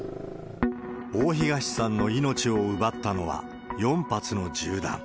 大東さんの命を奪ったのは、４発の銃弾。